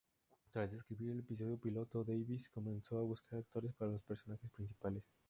Tras escribir el episodio piloto, Davies comenzó a buscar actores para los personajes principales.